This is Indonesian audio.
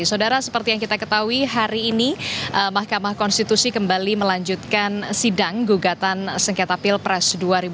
saudara seperti yang kita ketahui hari ini mahkamah konstitusi kembali melanjutkan sidang gugatan sengketa pilpres dua ribu sembilan belas